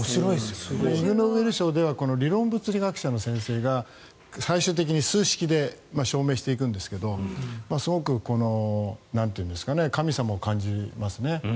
イグノーベル賞では理論物理学者の先生が最終的に数式で証明していくんですがすごく神様を感じますね。